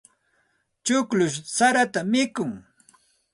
Chukllush sarata mikun.